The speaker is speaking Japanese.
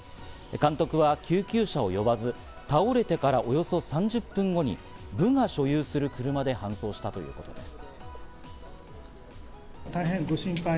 監督は救急車を呼ばず倒れてからおよそ３０分後に部が所有する車で搬送したということです。